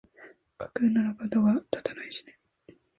架空ならかどが立たないしね